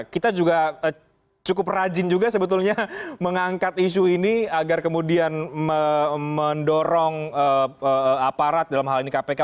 kita juga cukup rajin juga sebetulnya mengangkat isu ini agar kemudian mendorong aparat dalam hal ini kpk